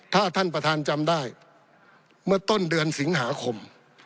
ถ้าท่านประธานจำได้เมื่อต้นเดือนสิงหาคม